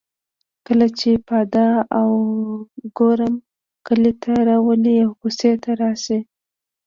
کله چې پاده او ګورم کلي ته راولي او کوڅې ته راشي.